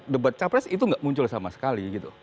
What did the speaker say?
debat capres itu tidak muncul sama sekali